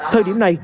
thời điểm này